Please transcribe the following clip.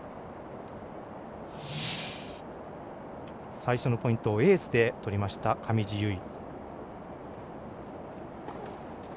最初のポイントをエースで取りました、上地結衣。